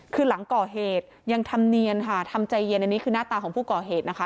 คือหลังก่อเหตุยังทำเนียนค่ะทำใจเย็นอันนี้คือหน้าตาของผู้ก่อเหตุนะคะ